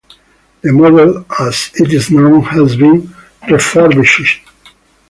"The Model" as it is known, has been refurbished.